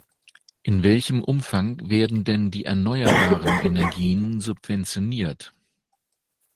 In welchem Umfang werden denn die erneuerbaren Energien subventioniert?